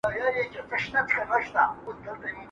¬ د بل په اوږو مياشت گوري.